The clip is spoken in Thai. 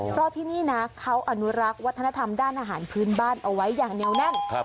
เพราะที่นี่นะเขาอนุรักษ์วัฒนธรรมด้านอาหารพื้นบ้านเอาไว้อย่างเหนียวแน่น